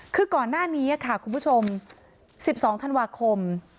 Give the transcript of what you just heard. คือก่อนหน้านี้ค่ะคุณผู้ชม๑๒ธันวาคม